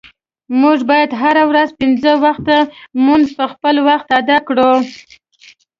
مونږه باید هره ورځ پنځه وخته مونز په خپل وخت اداء کړو.